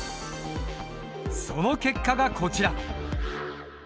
その結果がこちら。